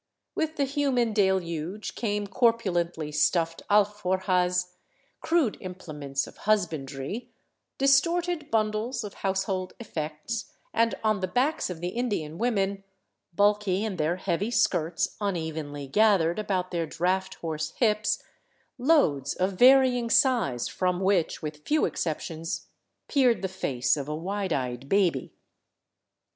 With the human deluge came corpulently stuffed alforjas, crude implements of husbandry, distorted bundles of household effects, and, on the backs of the Indian women, bulky in their heavy skirts unevenly gathered about their draught horse hips, loads of varying size from which, with few exceptions, peered the face of a wide eyed baby.